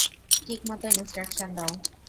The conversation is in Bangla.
ঠিকমত ইন্সট্রাকশন দাও!